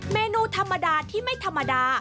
เมนูธรรมดาที่ไม่ธรรมดา